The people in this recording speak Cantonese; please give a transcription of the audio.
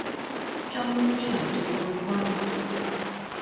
終於重奪冠軍